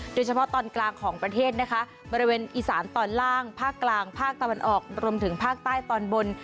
โดยเฉพาะตอนกลางของประเทศนะคะบริเวณอีสานตอนล่างภาคกลางภาคตะวันออกรวมถึงภาคใต้ตอนบน